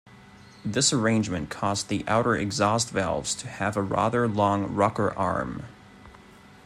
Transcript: This arrangement caused the outer exhaust valves to have a rather long rocker arm.